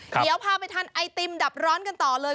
เดี๋ยวพาไปทานไอติมดับร้อนกันต่อเลย